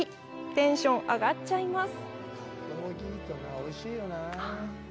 テンション上がっちゃいます。